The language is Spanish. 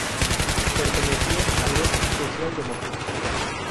Pertenecía a los socialdemócratas.